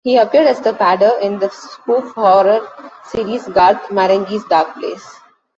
He appeared as The Padre in the spoof horror series "Garth Marenghi's Darkplace".